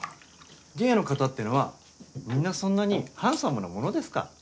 ゲイの方っていうのはみんなそんなにハンサムなものですか？